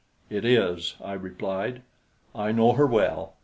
"It is," I replied. "I know her well.